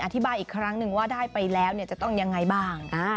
อีกครั้งหนึ่งว่าได้ไปแล้วจะต้องยังไงบ้าง